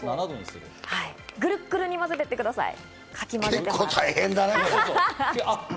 ぐるっぐるに混ぜていってください。